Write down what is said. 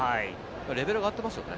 レベルが上がってますよね。